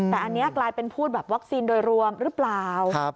แต่อันนี้กลายเป็นพูดแบบวัคซีนโดยรวมหรือเปล่า